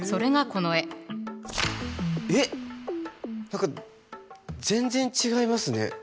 何か全然違いますね。